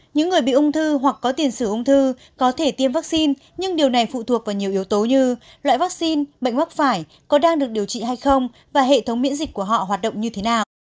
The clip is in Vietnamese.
những người bị ung thư hoặc có tiền sử ung thư có thể tiêm vaccine nhưng điều này phụ thuộc vào nhiều yếu tố như loại vaccine bệnh vắc phải có đang được điều trị hay không và hệ thống miễn dịch của họ hoạt động như thế nào